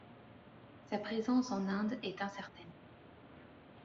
Sa présence en Inde est incertaine.